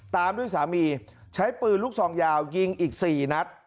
ตามด้วยสามีใช้ปืนลูกซองยาวยิงอีก๔นัด